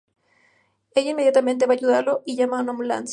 Ella, inmediatamente va ayudarlo y llama a una ambulancia.